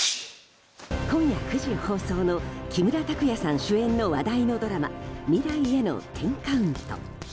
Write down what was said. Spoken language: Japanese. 今夜９時放送の木村拓哉さん主演の話題のドラマ「未来への１０カウント」。